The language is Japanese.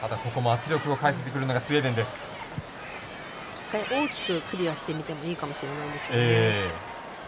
一回大きくクリアしてみてもいいかもしれないですけどね。